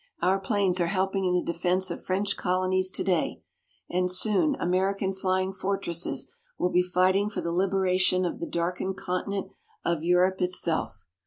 Our planes are helping in the defense of French colonies today, and soon American Flying Fortresses will be fighting for the liberation of the darkened continent of Europe itself.